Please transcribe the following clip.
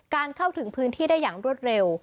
เข้าถึงพื้นที่ได้อย่างรวดเร็ว